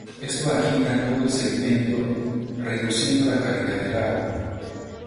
Esto agita todo el sedimento, reduciendo la calidad del agua.